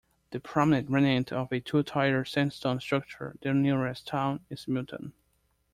The prominent remnant of a two tier sandstone structure, the nearest town is Milton.